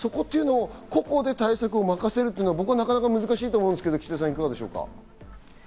個々で対策を任せるというのはなかなか難しいと僕は思うんですけど、岸田さんいかがですか？